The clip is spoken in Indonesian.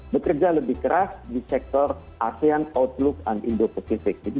bekerja lebih keras di sektor asean outlook unindo pacific